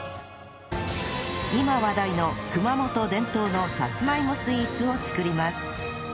今話題の熊本伝統のさつまいもスイーツを作ります